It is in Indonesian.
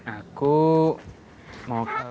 aku mau kasih tahu